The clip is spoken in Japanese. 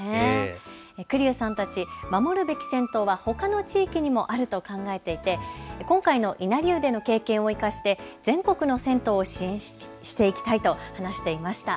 栗生さんたち、守るべき銭湯はほかの地域にもあると考えていて今回の稲荷湯での経験を生かして全国の銭湯を支援していきたいと話していました。